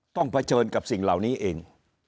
เผชิญกับสิ่งเหล่านี้เอง